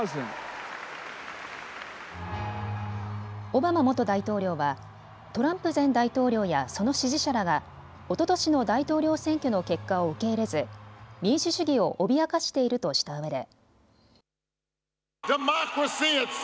オバマ元大統領はトランプ前大統領やその支持者らが、おととしの大統領選挙の結果を受け入れず民主主義を脅かしているとしたうえで。